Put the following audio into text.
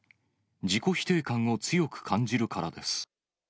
自己否定感を強く感じるからです。